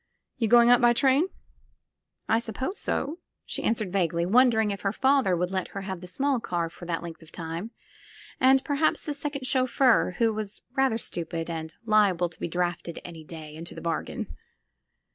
You going up by train?" "I suppose so," she answered vaguely, wondering if her father would let her have the small car for that length of time, and perhaps the second chauffeur, who was rather stupid and liable to be drafted any day, into the bargain.